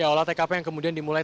olah tkp yang kemudian dimulai